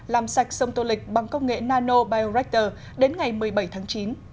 làm sạch sông tô lịch bằng công nghệ nanobioreactor đến ngày một mươi bảy tháng chín